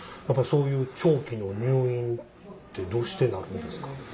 やっぱそういう長期の入院ってどうしてなるんですか？